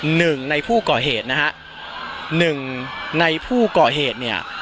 หนึ่งในผู้ก่อเหตุนะฮะหนึ่งในผู้ก่อเหตุเนี่ย